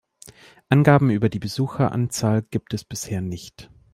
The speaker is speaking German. Angaben über die Besucheranzahl gibt es bisher nicht.